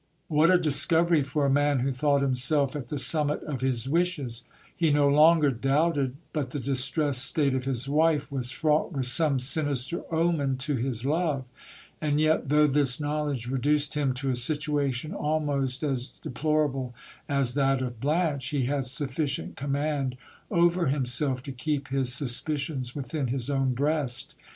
vVhat a discovery for a man who thought himself at the summit of his wishes ! He no longer doubted but the distressed state of his wife was fraught with some sinister omen to his love. And yet, though this knowledge reduced him to a situation almost as deplorable as that of Blanche, he had sufficient command over himself to keep his suspicions within his own breast.